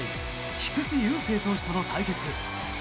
菊池雄星投手との対決。